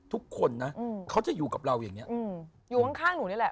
ทุกคนนะเขาจะอยู่กับเราอย่างเงี้อืมอยู่ข้างข้างหนูนี่แหละ